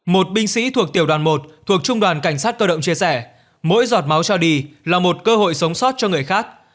một binh sĩ thuộc tiểu đoàn một thuộc trung đoàn cảnh sát cơ động chia sẻ mỗi giọt máu cho đi là một cơ hội sống sót cho người khác